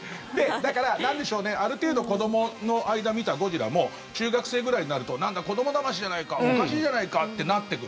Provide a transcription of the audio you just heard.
だから、なんでしょうねある程度子どもの間見たゴジラも中学生ぐらいになるとなんだ子どもだましじゃないかおかしいじゃないかってなってくる。